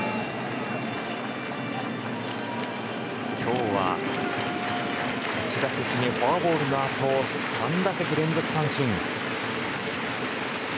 今日は１打席目フォアボールの後３打席連続三振。